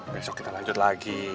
besok kita lanjut lagi